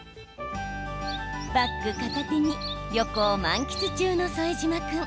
バッグ片手に旅行を満喫中の副島君。